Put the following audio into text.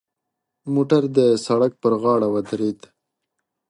موټر د سړک پر غاړه ودرید.